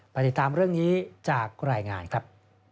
ติดตามเรื่องนี้จากรายงานครับ